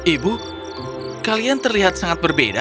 ibu kalian terlihat sangat berbeda